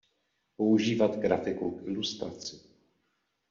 Používat grafiku k ilustraci.